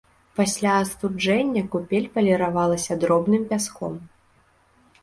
Пасля астуджэння купель паліравалася дробным пяском.